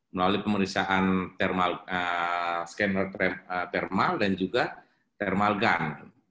melalui pemeriksaan scanner thermal dan juga thermal gun